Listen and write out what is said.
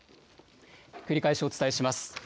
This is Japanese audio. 繰り返しお伝えします。